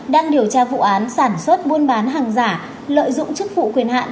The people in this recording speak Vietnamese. đang điều tra vụ án sản xuất buôn bán hàng giả lợi dụng chức vụ quyền hạn